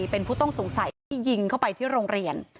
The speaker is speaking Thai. เป็นผู้ต้องสงสัยที่ยิงเข้าไปที่โรงเรียน